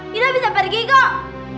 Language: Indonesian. kita bisa pergi kok